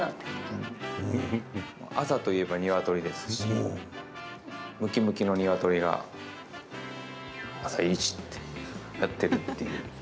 朝と言えばにわとりですしむきむきのにわとりが「あさイチ」ってやっているっていう。